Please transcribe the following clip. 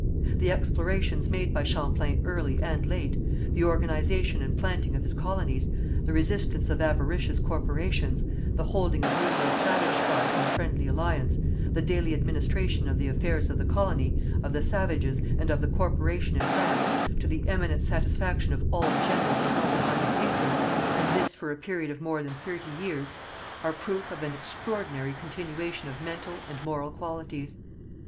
The explorations made by Champlain early and late, the organization and planting of his colonies, the resistance of avaricious corporations, the holding of numerous savage tribes in friendly alliance, the daily administration of the affairs of the colony, of the savages, and of the corporation in France, to the eminent satisfaction of all generous and noble minded patrons, and this for a period of more than thirty years, are proof of an extraordinary continuation of mental and moral qualities.